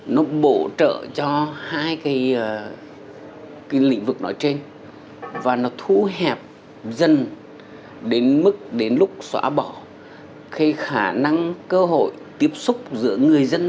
nó bổ trợ cho hai cái lĩnh vực nói trên và nó thu hẹp dần đến mức đến lúc xóa bỏ cái khả năng cơ hội tiếp xúc giữa người dân